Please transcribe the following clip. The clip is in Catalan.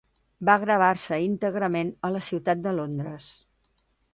Va gravar-se íntegrament a la ciutat de Londres.